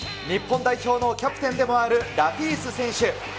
日本代表のキャプテンでもあるラピース選手。